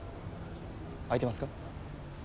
空いてますか？